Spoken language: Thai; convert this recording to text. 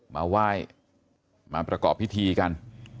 มาไหว้มาประกอบพิธีกัน